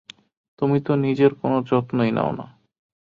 তুমি তো নিজের কোনো যত্নই নাও না।